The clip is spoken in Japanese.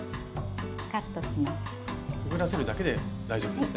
くぐらせるだけで大丈夫ですね。